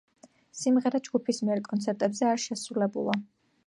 სიმღერა ჯგუფის მიერ კონცერტებზე არ შესრულებულა.